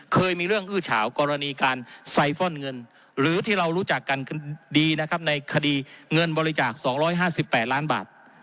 เคยมีเรื่องอื้อเฉากรณีการไซฟอนเงินหรือที่เรารู้จักกันดีนะครับในคดีเงินบริจาค๒๕๘ล้านบาท